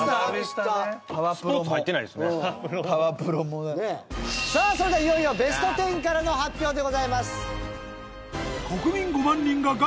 裕二：さあ、それではいよいよ、ベスト１０からの発表でございます。